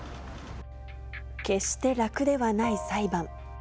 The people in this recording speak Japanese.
決して楽ではない裁判。